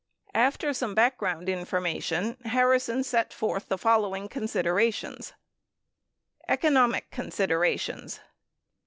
After some background information, Harrison set forth the following con siderations : Economic considerations.